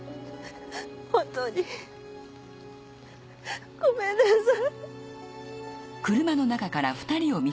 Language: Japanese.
本当にごめんなさい。